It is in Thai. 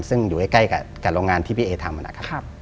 ซึ่งอยู่ใกล้กับโรงงานที่พี่เอ๋ทำ